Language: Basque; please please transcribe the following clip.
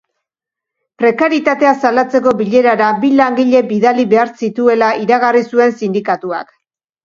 Prekarietatea salatzeko bilerara bi langile bidali behar zituela iragarri zuen sindikatuak.